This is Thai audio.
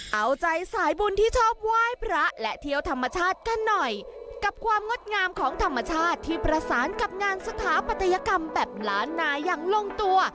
เอาใจสายบุญที่ชอบไหว้พระและเที่ยวธรรมชาติกันหน่อยกับความงดงามของธรรมชาติที่ประสานกับงานสถาปัตยกรรมแบบล้านนาอย่างลงตัว